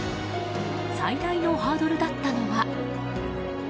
最大のハードルだったのは。